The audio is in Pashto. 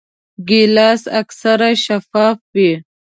ګیلاس اکثره شفاف وي.